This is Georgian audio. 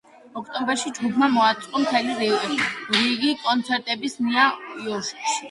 ოქტომბერში ჯგუფმა მოაწყო მთელი რიგი კონცერტებისა ნიუ იორკში.